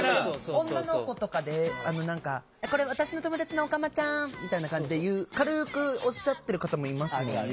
女の子とかで「これ私の友達のオカマちゃん」みたいな感じで言う軽くおっしゃってる方もいますもんね。